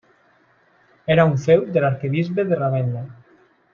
Era un feu de l'arquebisbe de Ravenna.